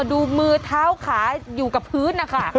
ดูมือเท้าขาอยู่กับพื้นนะคะ